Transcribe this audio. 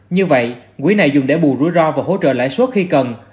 như vậy quỹ này dùng để bù rủi ro và hỗ trợ lãi suất khi cần